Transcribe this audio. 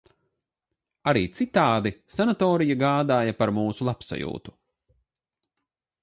Arī citādi sanatorija gādāja par mūsu labsajūtu.